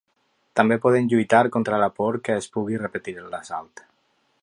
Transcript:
També poden lluitar contra la por que es pugui repetir l'assalt.